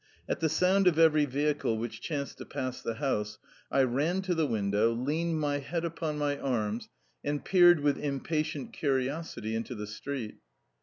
At the sound of every vehicle which chanced to pass the house I ran to the window, leaned my head upon my arms, and peered with impatient curiosity into the street.